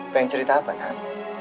pengen cerita apa nan